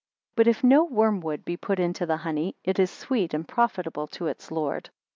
6 But if no wormwood be put into the honey, it is sweet and profitable to its Lord.